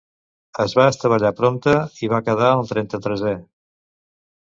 Es va estavellar prompte i va quedar el trenta-tresè.